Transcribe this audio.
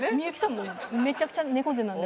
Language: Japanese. もうめちゃくちゃ猫背なんで。